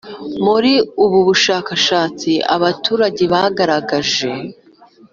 Muri ubu bushakashatsi abaturage bagaragaje